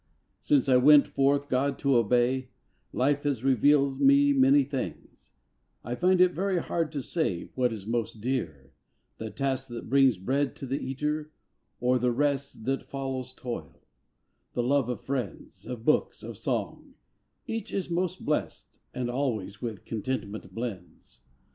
Since I went forth God to obey, Life has revealed me many things I find it very hard to say What is most dear: The task that brings Bread to the eater, or the rest That follows toil; the love of friends, Of books, of song, each is most blessed And always with contentment blends.